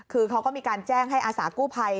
คือเขาก็มีการแจ้งให้อาสากู้ภัย